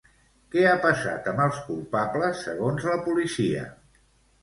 Què ha passat amb els culpables segons la policia?